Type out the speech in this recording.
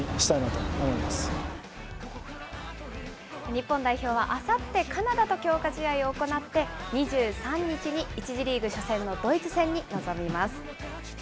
日本代表はあさってカナダと強化試合を行って、２３日に１次リーグ初戦のドイツ戦に臨みます。